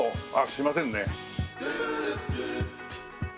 すいませんね。